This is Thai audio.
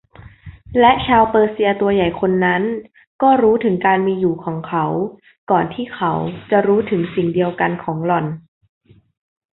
และชาวเปอร์เซียตัวใหญ่คนนั้นก็รู้ถึงการมีอยู่ของเขาก่อนที่เขาจะรู้ถึงสิ่งเดียวกันของหล่อน